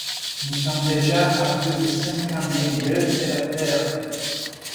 Nous sommes déjà à plus de cinquante mille lieues de la Terre!